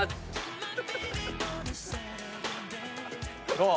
どう？